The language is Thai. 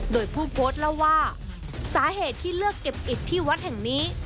โดยผู้โพสต์เล่าว่าสาเหตุที่เลือกเก็บอิดที่วัดแห่งนี้